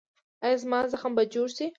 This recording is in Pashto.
ایا زما زخم به جوړ شي؟